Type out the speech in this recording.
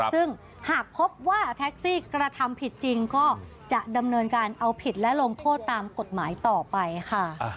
ซึ่งหากพบว่าแท็กซี่กระทำผิดจริงก็จะดำเนินการเอาผิดและลงโทษตามกฎหมายต่อไปค่ะ